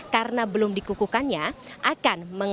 karena belum dikukukannya akan